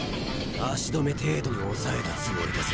足止め程度に抑えたつもりだぜ？